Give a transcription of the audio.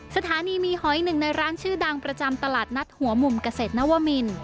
สถานีมีหอยหนึ่งในร้านชื่อดังประจำตลาดนัดหัวมุมเกษตรนวมิน